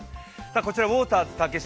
こちらウォーターズ竹芝